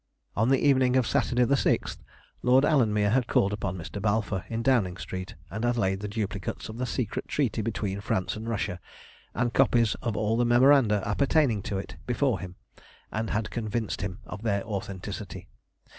On the evening of Saturday, the 6th, Lord Alanmere had called upon Mr. Balfour in Downing Street, and laid the duplicates of the secret treaty between France and Russia, and copies of all the memoranda appertaining to it, before him, and had convinced him of their authenticity.